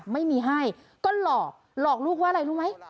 ไม่มีให้ก็หลอกหลอกลูกว่าอะไรรู้ไหม